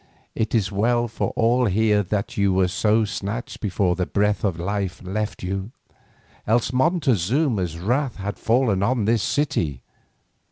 "It is well for all here that you were so snatched before the breath of life had left you, else Montezuma's wrath had fallen on this city."